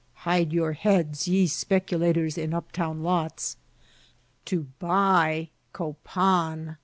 (Hide your heads, ye speculators in up town lots !) To buy Copan!